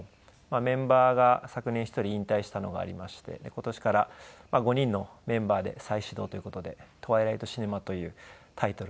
メンバーが昨年１人引退したのがありまして今年から５人のメンバーで再始動という事で「ＴｗｉｌｉｇｈｔＣｉｎｅｍａ」というタイトルで。